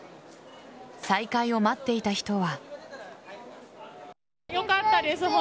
再開を待っていた人は。